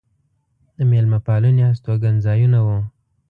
د مېلمه پالنې هستوګن ځایونه و.